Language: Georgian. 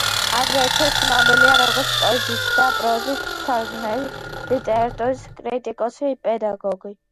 აგრეთვე ცნობილია, როგორც პოეზიის და პროზის მთარგმნელი, ლიტერატურის კრიტიკოსი, პედაგოგი.